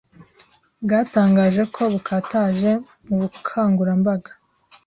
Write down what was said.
bwatangaje ko bukataje mubukangurambaga